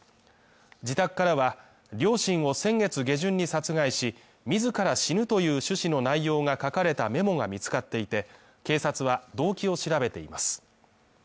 自宅からは、両親を先月下旬に殺害し、自ら死ぬという趣旨の内容が書かれたメモが見つかっていて、警察は動機を調べています。